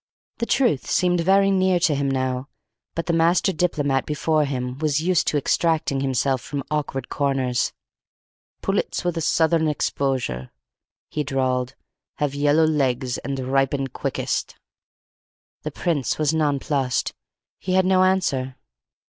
The truth seemed very near to him now, but the master diplomat before him was used to extracting himself from awkward corners. "Pullets with a southern exposure," he drawled, "have yellow legs and ripen quickest." The Prince was nonplussed. He had no answer.